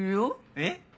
えっ？